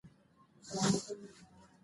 ـ ومه خورئ غوړي ،چې پرې ودې وځي مړغړي.